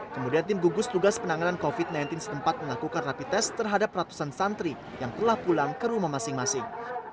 kemudian tim gugus tugas penanganan covid sembilan belas setempat melakukan rapi tes terhadap ratusan santri yang telah pulang ke rumah masing masing